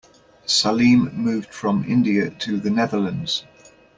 Salim moved from India to the Netherlands.